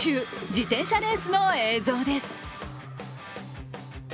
自転車レースの映像です。